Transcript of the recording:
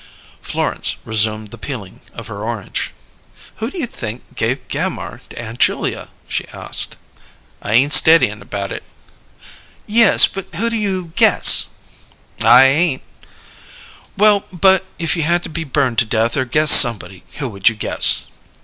Florence resumed the peeling of her orange. "Who do you think gave Gammire to Aunt Julia?" she asked. "I ain't stedyin' about it." "Yes, but who do you guess?" "I ain't " "Well, but if you had to be burned to death or guess somebody, who would you guess?"